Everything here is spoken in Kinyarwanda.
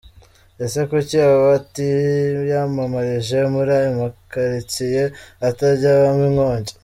Ese kuki aba atiyamamarije muri ya makaritsiye atajya abamo inkongi?